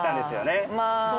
まあ。